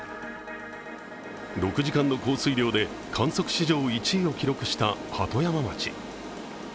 ６時間の降水量で観測史上１位を記録した鳩山町。